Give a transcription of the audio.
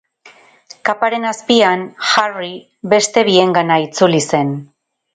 Kaparen azpian, Harry beste biengana itzuli zen.